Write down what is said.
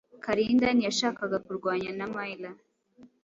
Kalinda ntiyashakaga kurwanya Mayra.